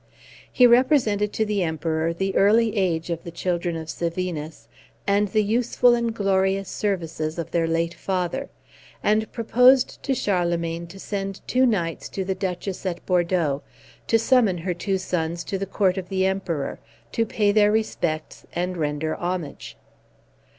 He represented to the Emperor the early age of the children of Sevinus, and the useful and glorious services of their late father, and proposed to Charlemagne to send two knights to the Duchess at Bordeaux, to summon her two sons to the court of the Emperor, to pay their respects and render homage.